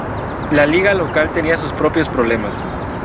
La liga local tenía sus propios problemas.